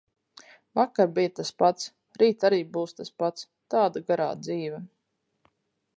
Vakar bija tas pats, rīt arī būs tas pats. tāda garā dzīve.